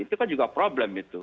itu kan juga problem gitu